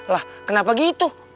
lah kenapa gitu